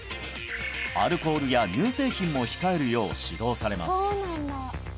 アルコールや乳製品も控えるよう指導されます